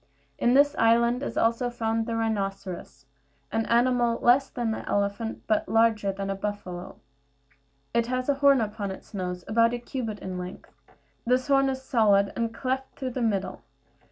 In this island is also found the rhinoceros, an animal less than the elephant, but larger than the buffalo. It has a horn upon its nose, about a cubit in length; this horn is solid, and cleft through the middle.